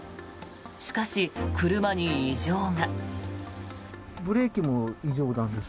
しかし、車に異常が。